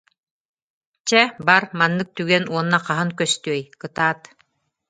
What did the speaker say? Чэ, бар, маннык түгэн уонна хаһан көстүөй, кытаат